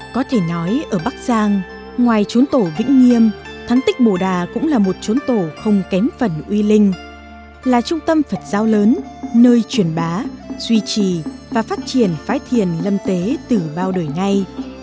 có thể nói ở bắc giang ngoài trốn tổ vĩnh nghiêm thắng tích bồ đà cũng là một trốn tổ không kém phần uy linh là trung tâm phật giáo lớn nơi truyền bá duy trì và phát triển phái thiền lâm tế từ bao đời nay